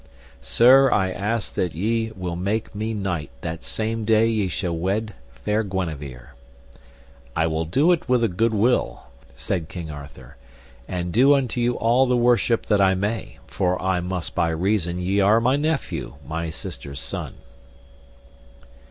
Sir, I ask that ye will make me knight that same day ye shall wed fair Guenever. I will do it with a good will, said King Arthur, and do unto you all the worship that I may, for I must by reason ye are my nephew, my sister's son.